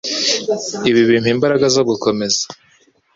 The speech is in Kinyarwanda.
Ibi bimpa imbaraga zo gukomeza.